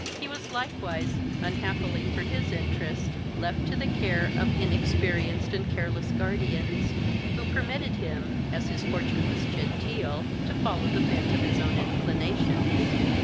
He was likewise, unhappily for his interest, left to the care of inexperienced and careless guardians, who permitted him, as his fortune was genteel, to follow the bent of his own inclinations.